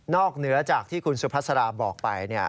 นอกเหนือจากที่คุณสุพรศราบอกไป